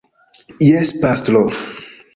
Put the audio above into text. Jes, pastro.